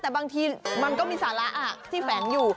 แต่บางทีมันก็มีสาระที่แฝงอยู่